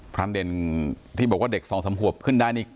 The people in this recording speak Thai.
เด่นที่บอกว่าเด็กสองสามขวบขึ้นได้นี่